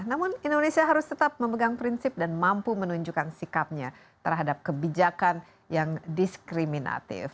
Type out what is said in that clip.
namun indonesia harus tetap memegang prinsip dan mampu menunjukkan sikapnya terhadap kebijakan yang diskriminatif